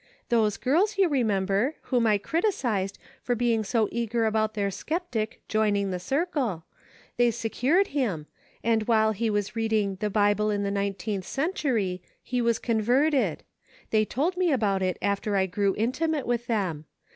Those girls, you remember, whom I criticised for being so eager about their 'skeptic' joining the circle — they secured him, and while he was reading the Bible in the Nine teenth Century he was converted ; they told me about it after I grew intimate with them.